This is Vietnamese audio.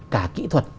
cả kỹ thuật